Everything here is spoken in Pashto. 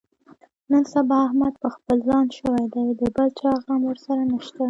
نن سبا احمد په خپل ځان شوی دی، د بل چا غم ورسره نشته.